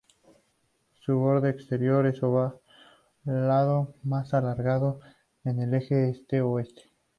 Su borde exterior es ovalado, más alargado en el eje este-oeste.